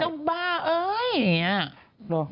เจ้าบ้าเฮ้ย